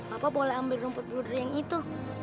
bapak boleh ambil rumput bludru yang itu